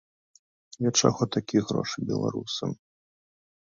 Для чаго такія грошы беларусам?